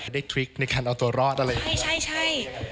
ได้แผ่นดินนึงในการเอาตัวรอดอะไรใช่